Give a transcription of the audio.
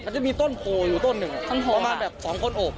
มันจะมีต้นโพอยู่ต้นหนึ่งประมาณแบบ๒คนโอบ